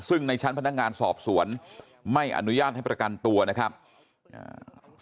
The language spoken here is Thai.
ซึ่งในชั้นพนักงานสอบสวนไม่อนุญาตให้ประกันตัวนะครับอ่า